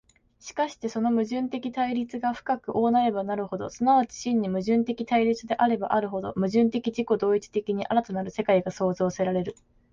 しかしてその矛盾的対立が深く大なればなるほど、即ち真に矛盾的対立であればあるほど、矛盾的自己同一的に新たなる世界が創造せられる。